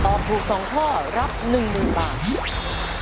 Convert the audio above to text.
ตอบถูก๒ข้อรับ๑หนึ่งบาท